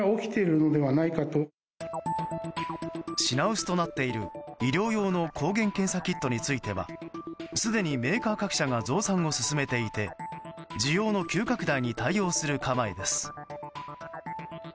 品薄となっている、医療用の抗原検査キットについてはすでにメーカー各社が増産を進めていて需要の急拡大に対応する構えです。